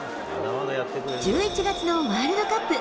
１１月のワールドカップ。